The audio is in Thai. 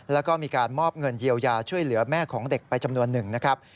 แล้วก็มีการมอบเงินเยียวยาช่วยเหลือแม่ของเด็กไปจำนวนหนึ่งนะครับ